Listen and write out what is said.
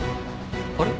あれ？